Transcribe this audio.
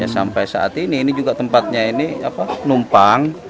sampai saat ini ini juga tempatnya ini numpang